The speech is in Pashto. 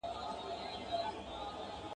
چي بې گدره گډېږي، خود بې سين وړي.